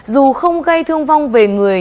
dù không gây thương vong về người